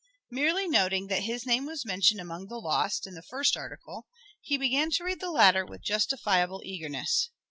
Merely noting that his name was mentioned among the lost, in the first article, he began to read the latter with justifiable eagerness.